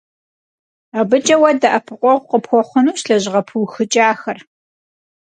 Abıç'e vue de'epıkhueğu khıpxuexhunuş lejığe pıuxıç'axer.